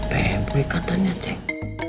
fabry katanya cek